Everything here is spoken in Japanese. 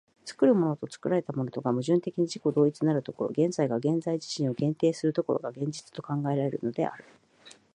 作るものと作られたものとが矛盾的に自己同一なる所、現在が現在自身を限定する所が、現実と考えられるのである。